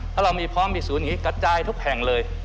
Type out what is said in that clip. ถ้าเรามีพร้อมมีศูนย์อย่างนี้กระจายทุกแห่งเลย